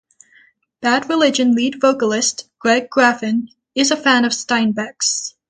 Bad Religion lead vocalist, Greg Graffin, is a fan of Steinbeck's.